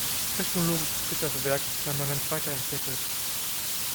Technologisch hat sich das Werk permanent weiter entwickelt.